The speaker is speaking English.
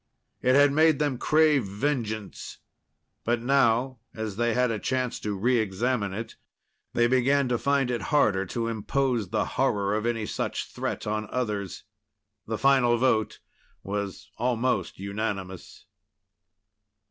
It had made them crave vengeance, but now as they had a chance to reexamine it, they began to find it harder to impose the horror of any such threat on others. The final vote was almost unanimous.